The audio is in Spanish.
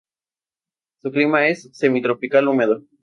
Su clima es semitropical húmedo.